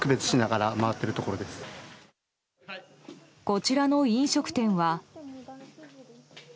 こちらの飲食店は。